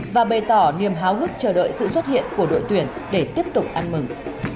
và bày tỏ niềm háo hức chờ đợi sự xuất hiện của đội tuyển để tiếp tục ăn mừng